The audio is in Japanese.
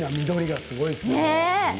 緑がすごいですね。